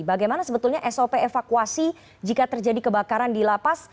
bagaimana sebetulnya sop evakuasi jika terjadi kebakaran di lapas